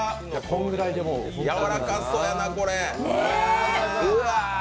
やわらかそうやな、これ。